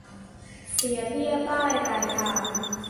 เสียเบี้ยบ้ายรายทาง